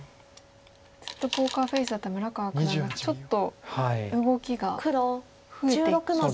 ずっとポーカーフェースだった村川九段がちょっと動きが増えてきましたね。